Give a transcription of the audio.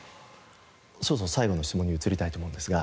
そろそろ最後の質問に移りたいと思うのですが。